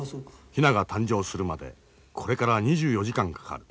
ヒナが誕生するまでこれから２４時間かかる。